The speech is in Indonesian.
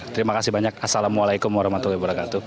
terima kasih banyak assalamualaikum warahmatullahi wabarakatuh